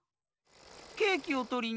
ケーキをとりに。